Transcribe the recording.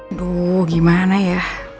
aduh gimana ya